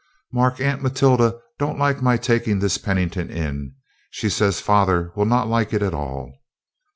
"Mark, Aunt Matilda don't like my taking this Pennington in. She says father will not like it at all."